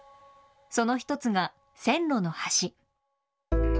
その１つが線路の橋。